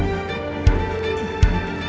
ya terima kasih ya